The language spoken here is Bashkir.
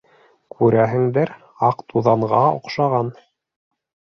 — Күрәһеңдер, аҡ туҙанға оҡшаған?